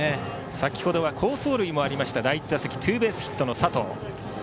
先ほどは好走塁もあった第１打席はツーベースヒットの佐藤。